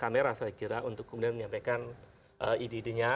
kamera saya kira untuk kemudian menyampaikan ide idenya